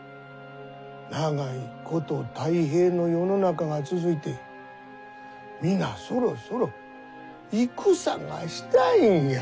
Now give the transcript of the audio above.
長いこと太平の世の中が続いて皆そろそろ戦がしたいんや。